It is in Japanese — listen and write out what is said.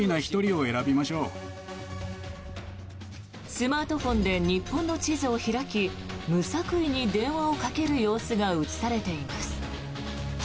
スマートフォンで日本の地図を開き無作為に電話をかける様子が映されています。